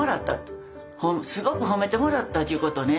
すごく褒めてもらったっちゅうことをね